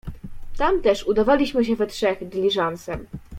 "Tam też udawaliśmy się we trzech dyliżansem."